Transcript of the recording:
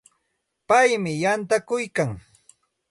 Paymi yantakuykan.